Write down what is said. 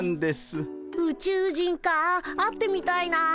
ウチュウ人か会ってみたいな。